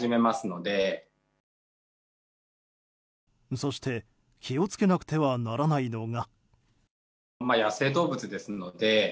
そして気をつけなくてはならないのが。